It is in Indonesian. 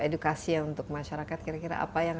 edukasi ya untuk masyarakat kira kira apa yang